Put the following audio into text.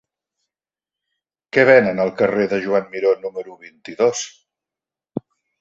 Què venen al carrer de Joan Miró número vint-i-dos?